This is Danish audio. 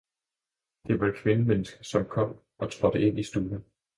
Det var et kvindemenneske som kom og trådte ind i stuen.